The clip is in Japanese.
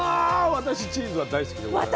私チーズは大好きでございます。